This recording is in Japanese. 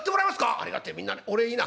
ありがてえみんなお礼言いな」。